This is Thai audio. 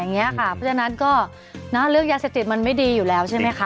เพราะฉะนั้นก็เรื่องยาเสพติดมันไม่ดีอยู่แล้วใช่ไหมคะ